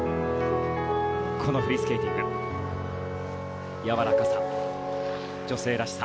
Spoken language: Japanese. このフリースケーティングやわらかさ、女性らしさ。